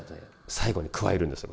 最後に加えるんですよ